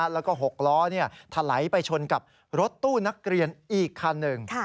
แล้วก็๖ล้อถลายไปชนกับรถตู้นักเรียนอีกคันหนึ่ง